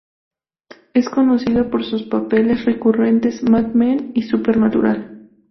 Es conocida por sus papeles recurrentes "Mad Men" y "Supernatural".